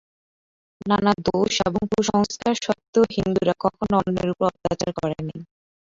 নানা দোষ এবং কুসংস্কার সত্ত্বেও হিন্দুরা কখনও অন্যের উপর অত্যাচার করে নাই।